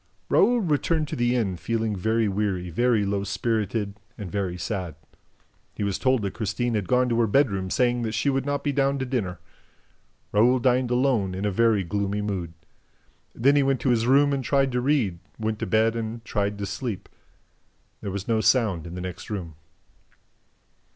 Raoul returned to the inn feeling very weary, very low spirited and very sad. He was told that Christine had gone to her bedroom saying that she would not be down to dinner. Raoul dined alone, in a very gloomy mood. Then he went to his room and tried to read, went to bed and tried to sleep. There was no sound in the next room.